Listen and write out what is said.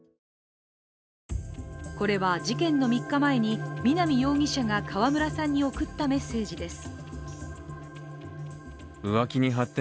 これは事件の３日前に南容疑者が川村さんに送ったメッセージです。